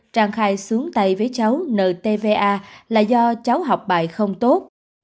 trang khai xuống tay với cháu nợ tva là do cháu học bài không tốt